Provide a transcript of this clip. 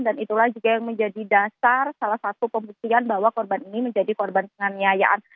dan juga yang menjadi dasar salah satu pembuktian bahwa korban ini menjadi korban penganiayaan